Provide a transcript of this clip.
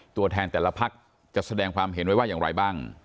ตัวแทนแต่ละพักจะแสดงความเห็นไว้ว่าอย่างไรบ้าง